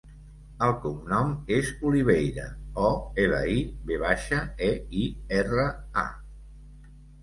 El cognom és Oliveira: o, ela, i, ve baixa, e, i, erra, a.